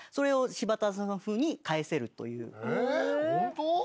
ホント？